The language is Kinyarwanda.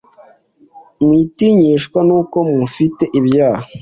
Mwitinyishwa nuko mufite ibyaha